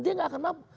dia gak akan mampu